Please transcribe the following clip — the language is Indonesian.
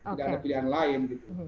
tidak ada pilihan lain